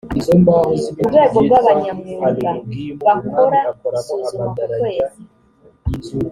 urwego rw’abanyamwuga bakora isuzuma ku kwezi